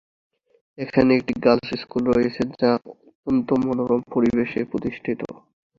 এখানে একটি girls school রয়েছে যা অত্যন্ত মনোরম পরিবেশে প্রতিষ্ঠিত।